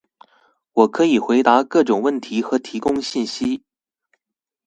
我可以回答各种问题和提供信息。